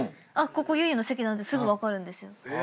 ここゆいゆいの席だってすぐ分かるんですよ。